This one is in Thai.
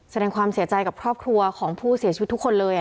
แสดงความเสียใจกับครอบครัวของผู้เสียชีวิตทุกคนเลย